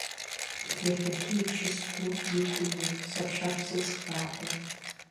Иахьагьы ибжьы сгәы иқәыҩуеит, саҳәшьа, бсыцхраа ҳәа.